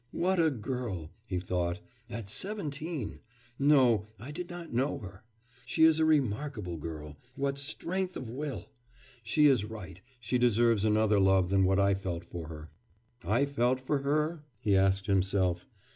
'What a girl!' he thought, 'at seventeen!... No, I did not know her!... She is a remarkable girl. What strength of will!... She is right; she deserves another love than what I felt for her. I felt for her?' he asked himself.